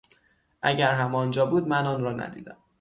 اگر هم آنجا بود من او را ندیدم.